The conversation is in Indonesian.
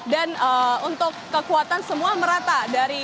dan untuk kekuatan semua merata